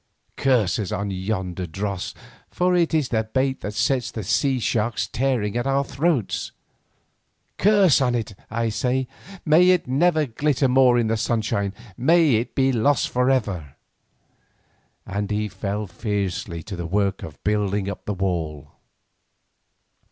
Curses on yonder dross, for it is the bait that sets these sea sharks tearing at our throats. Curses on it, I say; may it never glitter more in the sunshine, may it be lost for ever!" And he fell fiercely to the work of building up the wall.